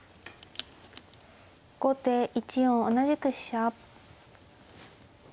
後手１四同じく飛車。